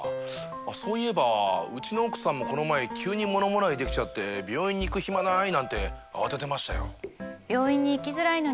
そういえばうちの奥さんもこの前急にものもらいできちゃって病院に行く暇ない！なんて慌ててましたよ。